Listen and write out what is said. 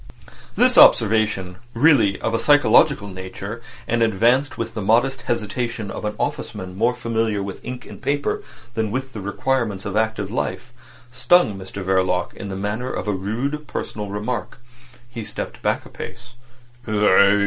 This observation, really of a psychological nature, and advanced with the modest hesitation of an officeman more familiar with ink and paper than with the requirements of active life, stung Mr Verloc in the manner of a rude personal remark. He stepped back a pace.